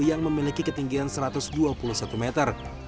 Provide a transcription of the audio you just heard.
yang memiliki ketinggian satu ratus dua puluh satu meter